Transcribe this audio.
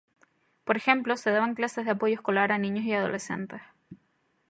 Por ejemplo se daban clases de apoyo escolar a niños y adolescentes.